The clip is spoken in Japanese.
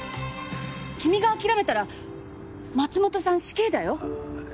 君が諦めたら松本さん、死刑だよ。